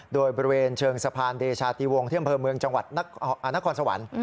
โดยบริเวณเชิงสะพานเดชาติวงที่อำเภอเมืองจังหวัดนครสวรรค์